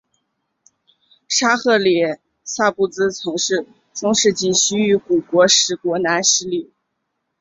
沙赫里萨布兹曾是中世纪西域古国史国南十里。